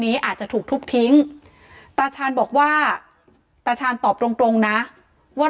อาจจะถูกทุบทิ้งตาชาญบอกว่าตาชาญตอบตรงตรงนะว่า